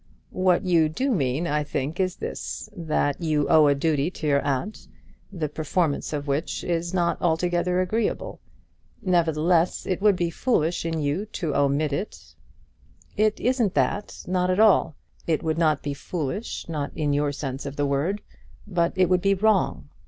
"What you do mean, I think, is this; that you owe a duty to your aunt, the performance of which is not altogether agreeable. Nevertheless it would be foolish in you to omit it." "It isn't that; not that at all. It would not be foolish, not in your sense of the word, but it would be wrong.